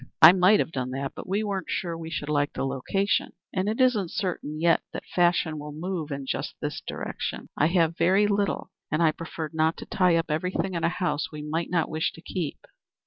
I might have done that, but we weren't sure we should like the location, and it isn't certain yet that fashion will move in just this direction. I have very little, and I preferred not to tie up everything in a house we might not wish to keep."